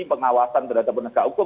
pengawasan berada penegak hukum